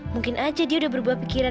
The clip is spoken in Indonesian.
mungkin aja dia udah berbuah pikiran